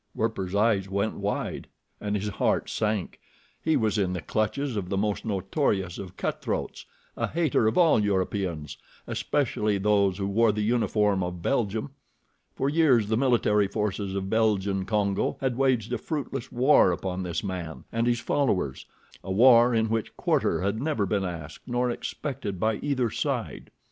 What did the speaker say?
Werper's eyes went wide, and his heart sank. He was in the clutches of the most notorious of cut throats—a hater of all Europeans, especially those who wore the uniform of Belgium. For years the military forces of Belgian Congo had waged a fruitless war upon this man and his followers—a war in which quarter had never been asked nor expected by either side.